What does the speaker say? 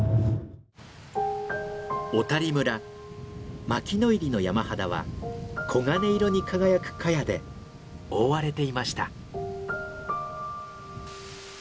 小谷村牧の入の山肌は黄金色に輝くカヤで覆われていました。